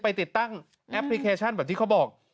ติดตั้งแอปพลิเคชันแบบที่เขาบอก